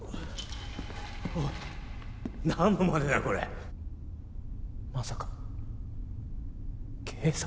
おい何のまねだよこれまさか警察？